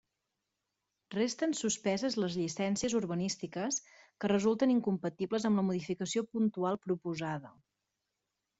Resten suspeses les llicències urbanístiques que resulten incompatibles amb la modificació puntual proposada.